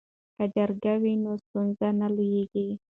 که جرګه وي نو ستونزه نه لویږي.